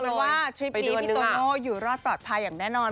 เป็นว่าทริปนี้พี่โตโน่อยู่รอดปลอดภัยอย่างแน่นอน